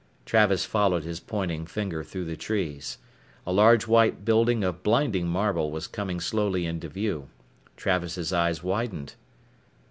Travis followed his pointing finger through the trees. A large white building of blinding marble was coming slowly into view. Travis' eyes widened.